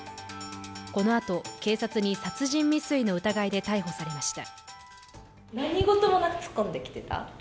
このあと警察に殺人未遂の疑いで逮捕されました。